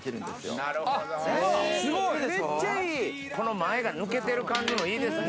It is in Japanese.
前が抜けてる感じもいいですね。